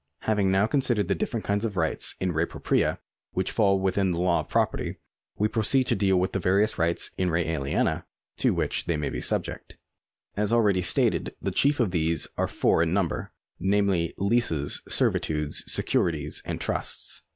Having now considered the different kinds of rights in re jyropria which fall within the law of property, we proceed to deal with the various rights in re aliena to which they may be subject. As already stated,^ the chief of these are four in number, namely Leases, Servitudes, Securities, and Trusts.